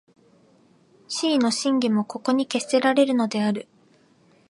思惟の真偽もここに決せられるのである。